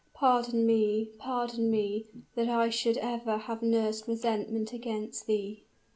Pardon me pardon me, that I should ever have nursed resentment against thee!"